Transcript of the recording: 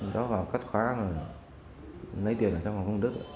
đó vào cắt khóa lấy tiền ở trong phòng công đức